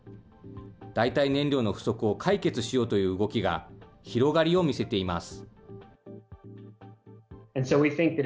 代替燃料の不足を解決しようという動きが広がりを見せています。